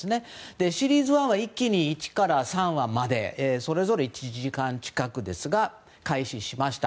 シリーズは１から３話までそれぞれ１時間近くですが開始しました。